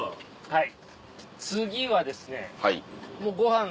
はい。